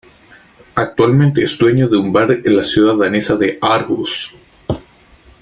Actualmente es dueño de un bar en la ciudad danesa de Aarhus.